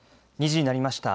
２時になりました。